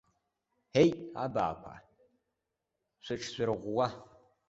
Еит, абаақәа, шәыҽшәырӷәӷәа!